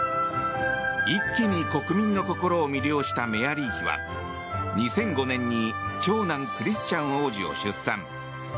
一気に国民の心を魅了したメアリー妃は２００５年に長男、クリスチャン王子を出産。